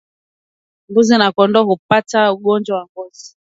Mbuzi na kondoo hupata ugonjwa wa ngozi